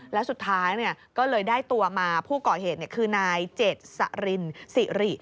และสุดท้ายก็เลยได้ตัวมาผู้ก่อเหตุคือนายเจ็ดสรินสิริ